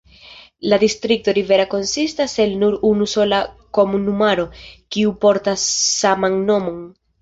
La distrikto Riviera konsistas el nur unu sola komunumaro, kiu portas saman nomon.